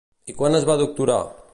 I quan es va doctorar?